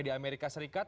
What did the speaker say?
di amerika serikat